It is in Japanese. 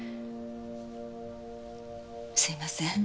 すいません。